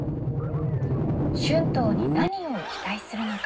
春闘に何を期待するのか。